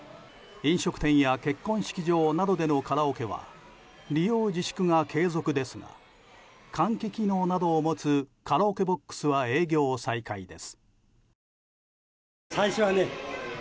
飲食店や結婚式場などでのカラオケは利用自粛は継続ですが換気機能などを持つカラオケボックスは営業再開です。